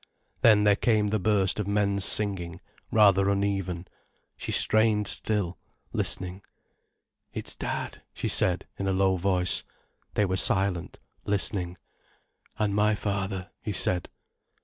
Then there came the burst of men's singing, rather uneven. She strained still, listening. "It's Dad," she said, in a low voice. They were silent, listening. "And my father," he said.